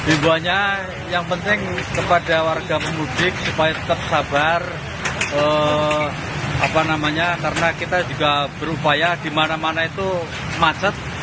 himbanya yang penting kepada warga pemudik supaya tetap sabar karena kita juga berupaya di mana mana itu macet